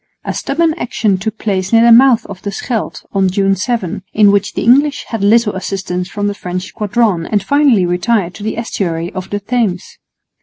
A stubborn action took place near the mouth of the Scheldt on June 7, in which the English had little assistance from the French squadron and finally retired to the estuary of the Thames.